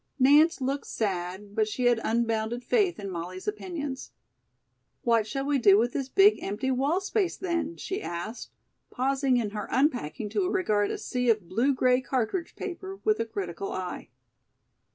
Nance looked sad, but she had unbounded faith in Molly's opinions. "What shall we do with this big empty wall space, then?" she asked, pausing in her unpacking to regard a sea of blue gray cartridge paper with a critical eye.